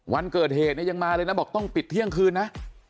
วันเกิดเหตุเนี่ยยังมาเลยนะบอกต้องปิดเที่ยงคืนนะ